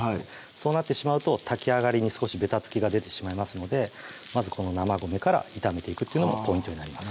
そうなってしまうと炊き上がりにべたつきが出てしまいますのでまずこの生米から炒めていくっていうのがポイントになります